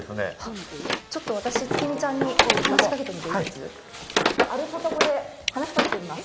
ちょっと私、つきみちゃんに話しかけてみていいです？